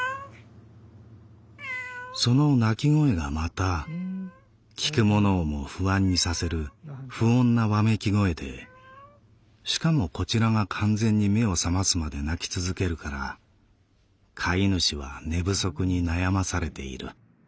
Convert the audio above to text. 「その鳴き声がまた聴く者をも不安にさせる不穏なわめき声でしかもこちらが完全に目を覚ますまで鳴き続けるから飼い主は寝不足に悩まされている」。